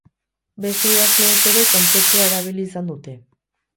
Beste idazleek ere kontzeptua erabili izan dute.